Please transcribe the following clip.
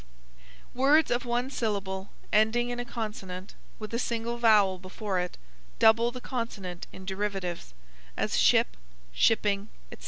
Words of one syllable, ending in a consonant; with a single vowel before it, double the consonant in derivatives; as, ship, shipping, etc.